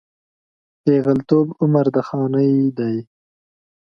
پېغلتوب عمر د خانۍ دی